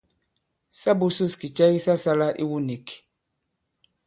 Sa būsūs kì cɛ ki sa sālā iwu nīk.